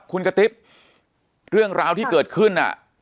คุณกะติ๊บเรื่องราวที่เกิดขึ้น